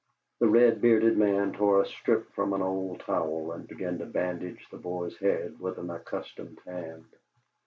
The red bearded man tore a strip from an old towel and began to bandage the boy's head with an accustomed hand.